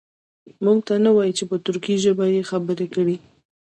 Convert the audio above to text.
موږ ته نه وایي چې په ترکي ژبه یې خبرې کړي.